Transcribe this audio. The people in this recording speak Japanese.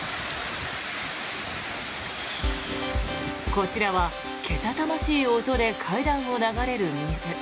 こちらは、けたたましい音で階段を流れる水。